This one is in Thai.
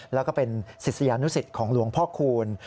แล้วก็เป็นศิษยานุสิตของหลวงพ่อคูณ